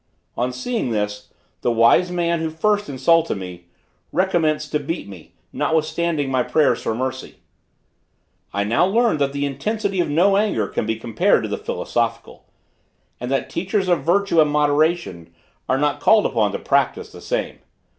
On seeing this, the wise man who first insulted me, recommenced to beat me, notwithstanding my prayers for mercy. I now learned that the intensity of no anger can be compared to the philosophical; and that the teachers of virtue and moderation are not called upon to practise the same.